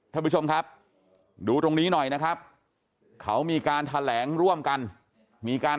ท่านผู้ชมครับดูตรงนี้หน่อยนะครับเขามีการแถลงร่วมกันมีการ